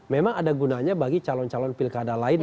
memang ada gunanya bagi calon calon pilkada lain